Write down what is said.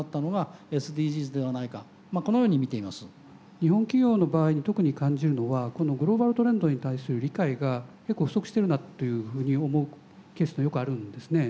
日本企業の場合に特に感じるのはグローバルトレンドに対する理解が結構不足してるなというふうに思うケースがよくあるんですね。